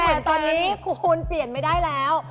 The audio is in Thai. แต่ตอนนี้คุณเปลี่ยนไม่ได้แล้ว